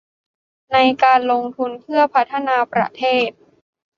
ในการลงทุนเพื่อพัฒนาประเทศ